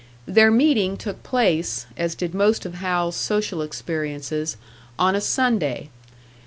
Their meeting took place as did most of Hal's social experiences on a Sunday.